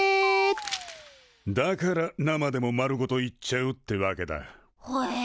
だから生でも丸ごといっちゃうってわけだ。ほえ。